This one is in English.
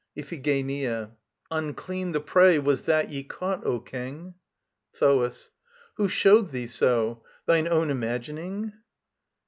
IPHIGENIA. Unclean the prey was that ye caught, O King. THOAS. Who showed thee so? Thine own imagining?